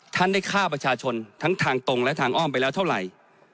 ท่านได้ฆ่าประชาชนทั้งทางตรงและทางอ้อมไปแล้วเท่าไหร่